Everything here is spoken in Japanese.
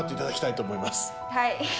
はい。